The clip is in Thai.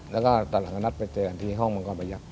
แล้วก็ตอนหลังก็นัดไปเจอกันที่ห้องมังกรประยักษ